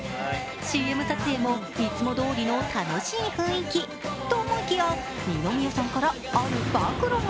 ＣＭ撮影もいつもどおりの楽しい雰囲気と思いきや二宮さんからある暴露が。